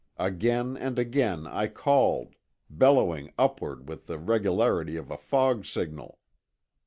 Again and again I called, bellowing upward with the regularity of a fog signal.